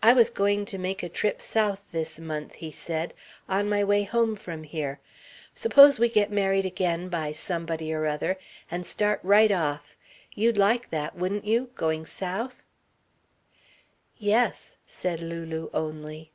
"I was going to make a trip south this month," he said, "on my way home from here. Suppose we get married again by somebody or other, and start right off. You'd like that, wouldn't you going South?" "Yes," said Lulu only.